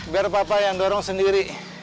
biar papa yang dorong sendiri